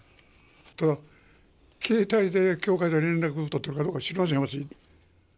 ただ、携帯で教会と連絡を取ってるかどうか、知りませんよ、私。